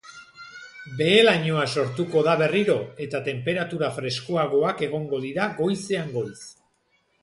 Behe-lainoa sortuko da berriro, eta tenperatura freskoagoak egongo dira goizean goiz.